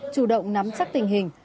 chủ động nắm chắc tình hình